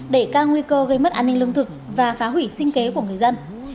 để cao nguy cơ gây mất an ninh lương thực và phá hủy sinh kế của người dân